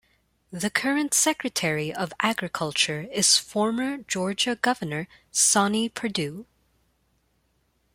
The current Secretary of Agriculture is former Georgia Governor Sonny Perdue.